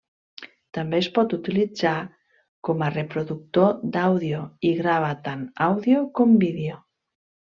També es pot utilitzar com a reproductor d'àudio, i grava tant àudio com vídeo.